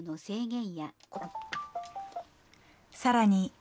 さらに。